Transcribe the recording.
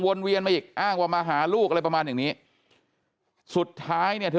เวียนมาอีกอ้างว่ามาหาลูกอะไรประมาณอย่างนี้สุดท้ายเนี่ยเธอ